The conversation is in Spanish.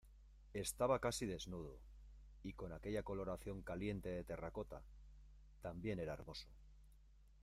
estaba casi desnudo, y con aquella coloración caliente de terracota también era hermoso.